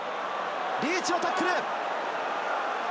リーチのタックル！